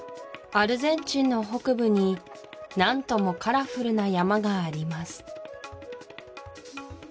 アルゼンチンの北部に何ともカラフルな山があります